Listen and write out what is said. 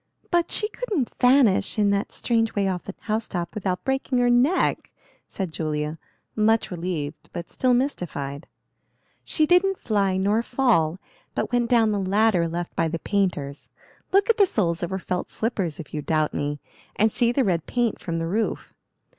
"But she couldn't vanish in that strange way off the house top without breaking her neck," said Julia, much relieved, but still mystified. "She didn't fly nor fall, but went down the ladder left by the painters. Look at the soles of her felt slippers, if you doubt me, and see the red paint from the roof.